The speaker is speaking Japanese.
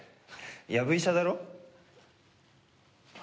やぶ医者だろ？